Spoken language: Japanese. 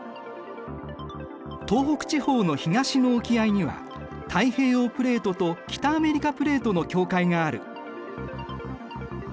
東北地方の東の沖合には太平洋プレートと北アメリカプレートの境界がある。